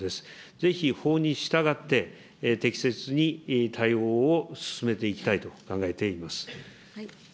ぜひ法に従って、適切に対応を進めていきたいと考えています。